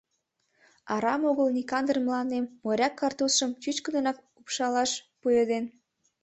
Арам огыл Никандр мыланем моряк картузшым чӱчкыдынак упшалаш пуэден.